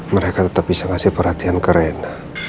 mereka tetap bisa ngasih perhatian keren